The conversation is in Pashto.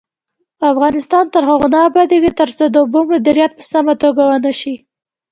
افغانستان تر هغو نه ابادیږي، ترڅو د اوبو مدیریت په سمه توګه ونشي.